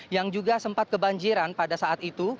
yang juga sempat kebanjiran pada saat itu